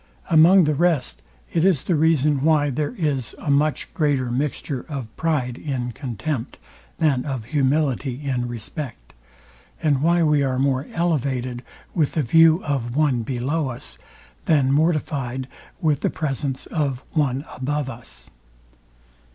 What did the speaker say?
Among the rest, it is the reason why there is a much greater mixture of pride in contempt, than of humility in respect, and why we are more elevated with the view of one below us, than mortifyed with the presence of one above us.